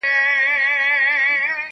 لا خو زما او د قاضي یوشان رتبه ده,